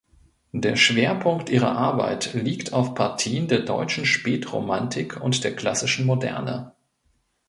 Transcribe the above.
Der Schwerpunkt ihrer Arbeit liegt auf Partien der deutschen Spätromantik und der klassischen Moderne.